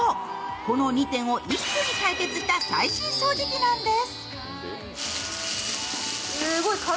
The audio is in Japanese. この２点を一挙に解決した最新掃除機なんです。